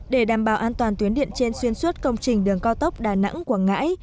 để đảm bảo an toàn tuyến điện trên xuyên suốt công trình đường cao tốc đà nẵng quảng ngãi